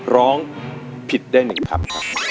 ร้องผิดได้๑คำครับ